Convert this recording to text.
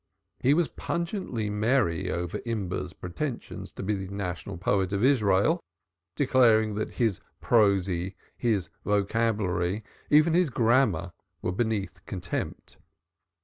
He was pungently merry over Imber's pretensions to be the National Poet of Israel, declaring that his prosody, his vocabulary, and even his grammar were beneath contempt.